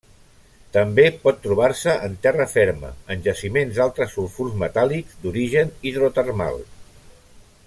També pot trobar-se en terra ferma en jaciments d'altres sulfurs metàl·lics d'origen hidrotermal.